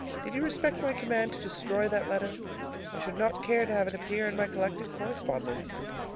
Did you respect my command to destroy that letter? I should not care to have it appear in my collected correspondence.